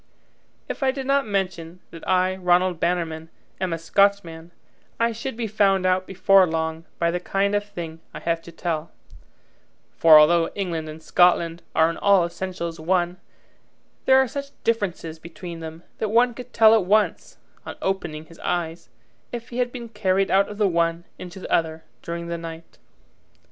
If I did not mention that I, Ranald Bannerman, am a Scotchman, I should be found out before long by the kind of thing I have to tell; for although England and Scotland are in all essentials one, there are such differences between them that one could tell at once, on opening his eyes, if he had been carried out of the one into the other during the night.